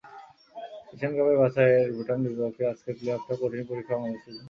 Asian cup বাছাইয়ের ভুটানের বিপক্ষে আজকের প্লে অফটা কঠিন পরীক্ষা বাংলাদেশের জন্য।